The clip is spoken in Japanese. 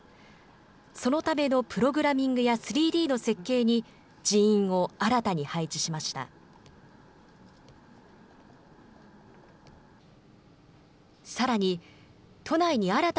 そのためのプログラミングや３Ｄの設計に人員を新たに配置しました。